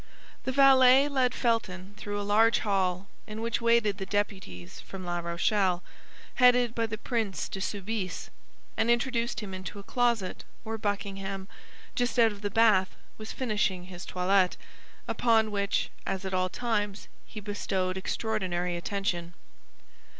The valet led Felton through a large hall in which waited the deputies from La Rochelle, headed by the Prince de Soubise, and introduced him into a closet where Buckingham, just out of the bath, was finishing his toilet, upon which, as at all times, he bestowed extraordinary attention.